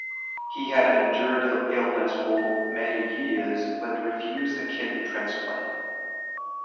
He had endured the illness for many years, but refused a kidney transplant.